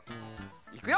いくよ！